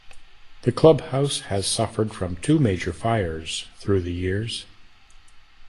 The Club house has suffered from two major fires through the years.